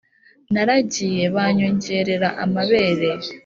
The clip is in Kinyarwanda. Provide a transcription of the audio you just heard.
Naragiye banyongerera amabere